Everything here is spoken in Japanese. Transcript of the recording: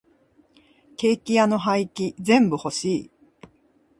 ケーキ屋の廃棄全部欲しい。